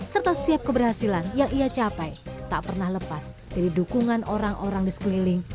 serta setiap keberhasilan yang ia capai tak pernah lepas dari dukungan orang orang di sekeliling